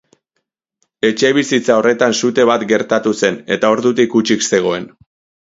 Etxebizitza horretan sute bat gertatu zen eta ordutik hutsik zegoen.